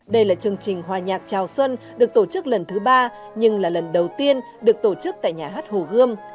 đây là chương trình hòa nhạc chào xuân được tổ chức lần thứ ba nhưng là lần đầu tiên được tổ chức tại nhà hát hồ gươm